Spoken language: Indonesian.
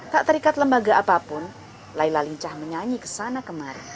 tak terikat lembaga apapun layla lincah menyanyi kesana kemarin